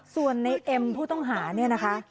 ส่วนในเอ็มผู้ต้องหาเนี่ยนะคะ